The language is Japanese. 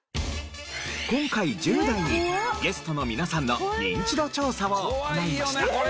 今回１０代にゲストの皆さんのニンチド調査を行いました。